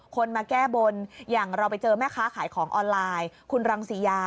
คนมาแก้บนอย่างเราไปเจอแม่ค้าขายของออนไลน์คุณรังสิยา